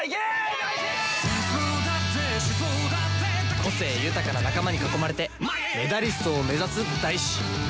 個性豊かな仲間に囲まれてメダリストを目指す大志。